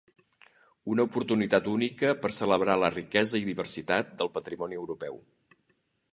Una oportunitat única per celebrar la riquesa i diversitat del patrimoni europeu.